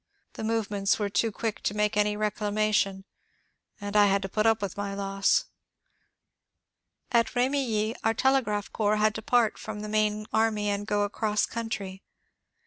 The movements were too quick to make any reclamation, and I had to put up with my loss. At Bemilly our telegraph corps had to part from the main army and go across country.